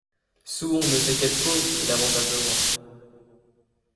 Sous on ne sait quel fauve et lamentable vent